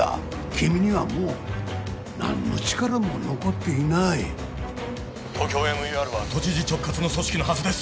君にはもう何の力も残っていないＴＯＫＹＯＭＥＲは都知事直轄の組織のはずです！